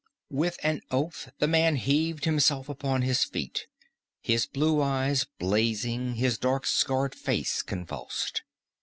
With an oath the man heaved himself upon his feet, his blue eyes blazing his dark scarred face convulsed.